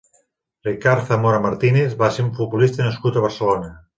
Ricard Zamora Martínez va ser un futbolista nascut a Barcelona.